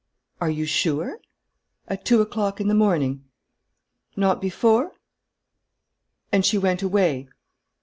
Are you sure?... At two o'clock in the morning?... Not before?... And she went away?...